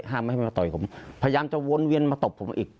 ไม่ให้มันมาต่อยผมพยายามจะวนเวียนมาตบผมอีก